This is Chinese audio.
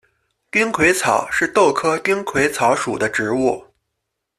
丁癸草是豆科丁癸草属的植物。